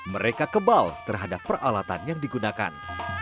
mereka kebal terhadap peralatan yang digunakan